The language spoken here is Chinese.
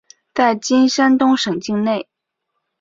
在今山东省境。